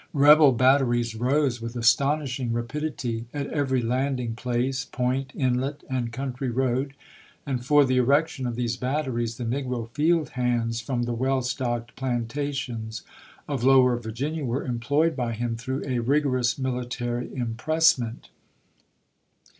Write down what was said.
Rebel batteries rose, with astonishing rapidity, at every landing place, point, inlet, and country road, and for the erection of these batteries the negro field hands from the well stocked plantations of lower Virginia were employed by him through a rigorous mihtary impressment.